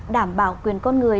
đảm bảo quyền con người